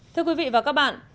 thưa quý vị và các bạn